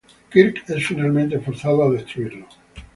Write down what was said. Kirk es finalmente forzado a destruirlo.